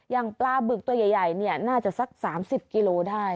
อย่างปลาบึกตัวใหญ่น่าจะสัก๓๐กิโลได้